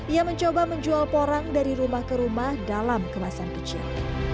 ia mencoba menjual porang dari rumah ke rumah dalam kemasan kecil